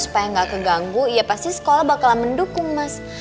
supaya nggak keganggu ya pasti sekolah bakalan mendukung mas